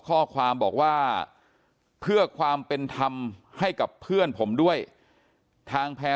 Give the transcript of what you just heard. ข้อความบอกว่าเพื่อความเป็นธรรมให้กับเพื่อนผมด้วยทางแพร